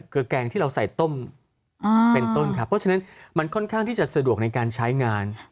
แกงที่เราใส่ต้มเป็นต้นครับเพราะฉะนั้นมันค่อนข้างที่จะสะดวกในการใช้งาน